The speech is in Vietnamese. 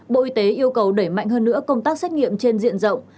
bộ y tế yêu cầu đẩy mạnh hơn nữa công tác xét nghiệm trên diện rộng